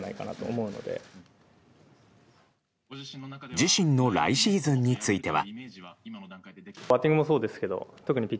自身の来シーズンについては。